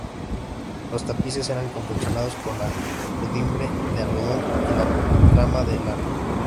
Los tapices eran confeccionados con la urdimbre de algodón y la trama de lana.